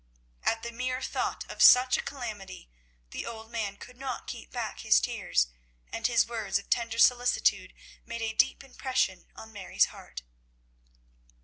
At the mere thought of such a calamity the old man could not keep back his tears, and his words of tender solicitude made a deep impression on Mary's heart.